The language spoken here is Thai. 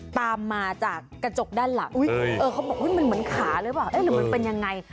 ตามมาจากกระจกด้านหลังเขาบอกว่ามันเหมือนขาเลยป่ะหรือมันเป็นยังไง